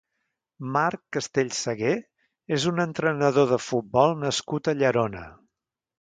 Marc Castellsagué és un entrenador de futbol nascut a Llerona.